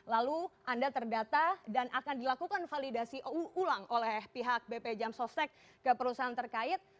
lalu anda terdata dan akan dilakukan validasi ulang oleh pihak bp jam sostek ke perusahaan terkait